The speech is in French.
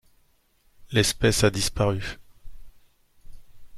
L'espèce a disparu.